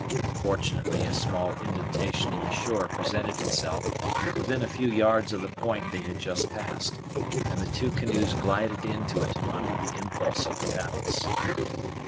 Fortunately a small indentation in the shore presented itself, within a few yards of the point they had just passed; and the two canoes glided into it, under the impulsion of the paddles.